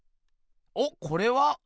おっこれは？